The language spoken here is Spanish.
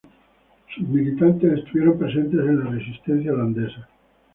Sus militantes estuvieron presentes en la resistencia holandesa.